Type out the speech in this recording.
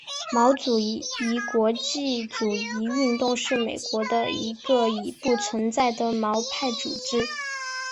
毛主义国际主义运动是美国的一个已不存在的毛派组织。